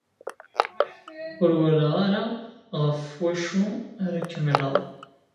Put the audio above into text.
Ur walaɣ ara ɣef wacu ara kemmleɣ.